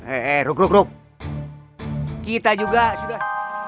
eh eh eh ruk ruk ruk kita juga sudah